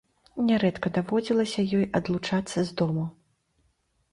Нярэдка даводзілася ёй адлучацца з дому.